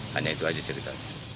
hanya itu saja cerita